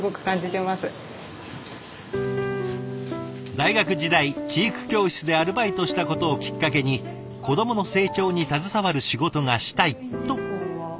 大学時代知育教室でアルバイトしたことをきっかけに「子どもの成長に携わる仕事がしたい！」とこちらへ入社した岡さん。